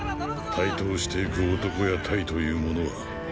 台頭してゆく漢や隊というものは。